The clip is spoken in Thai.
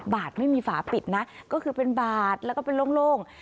บาทไม่มีฝาปิดนะก็คือเป็นบาทแล้วก็เป็นโล่ง